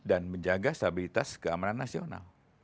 dan menjaga stabilitas keamanan nasional